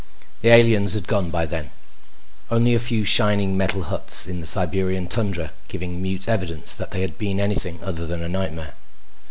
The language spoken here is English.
The aliens had gone by then, only a few shining metal huts in the Siberian tundra giving mute evidence that they had been anything other than a nightmare.